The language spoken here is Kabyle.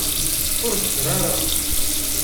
Ur heddeṛ ara!